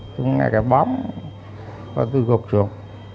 tôi nghe cái bóng tôi gục rồi